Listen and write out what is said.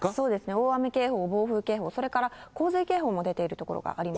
大雨警報、暴風警報、それから洪水警報も出ている所があります。